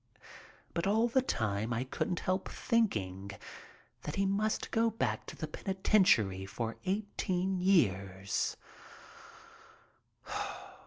But all the time I couldn't help thinking that he must go back to the penitentiary for eighteen years.